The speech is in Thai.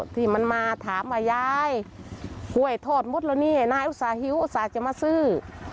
ที่มันมาถามว่ายายกล้วยทอดหมดแล้วนี่นายอุตส่าหิวอุตส่าห์จะมาซื้อ